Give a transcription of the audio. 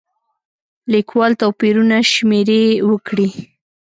لیکوال توپیرونه شمېرې وکړي.